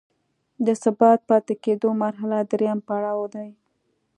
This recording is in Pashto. د ثابت پاتې کیدو مرحله دریم پړاو دی.